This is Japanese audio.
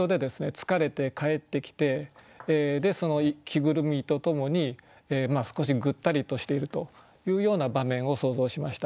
疲れて帰ってきてその着ぐるみとともに少しぐったりとしているというような場面を想像しました。